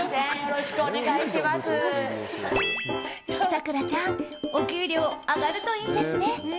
咲楽ちゃんお給料上がるといいですね。